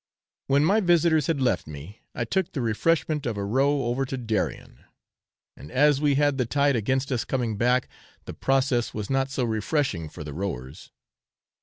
When my visitors had left me, I took the refreshment of a row over to Darien; and as we had the tide against us coming back, the process was not so refreshing for the rowers.